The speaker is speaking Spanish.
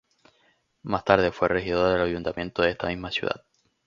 Más tarde fue regidor del Ayuntamiento de esta misma ciudad.